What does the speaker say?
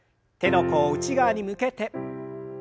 手の甲を内側に向けて。